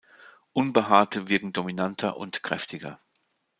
Unbehaarte wirken dominanter und kräftiger.